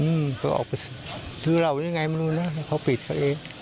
อืมเขาออกไปถือเหล่านี่ไงไม่รู้นะเขาปิดเขาเอง